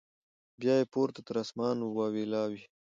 بیا یې پورته تر اسمانه واویلا وي